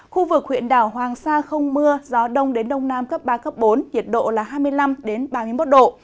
khu vực huyện đảo hoàng sa không mưa gió đông đến đông nam cấp ba cấp bốn nhiệt độ là hai mươi năm ba mươi một độ